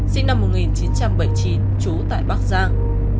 sinh năm một nghìn chín trăm bảy mươi chín trú tại bắc giang